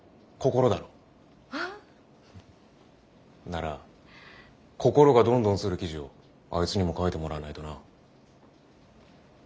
なら心がどんどんする記事をあいつにも書いてもらわないとな。